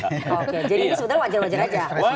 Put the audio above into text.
jadi ini sudah wajar wajar aja